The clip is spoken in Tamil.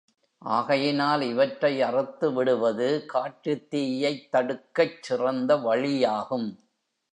ஆகையினால் இவற்றை அறுத்துவிடுவது காட்டுத் தீயைத் தடுக்கச் சிறந்த வழியாகும்.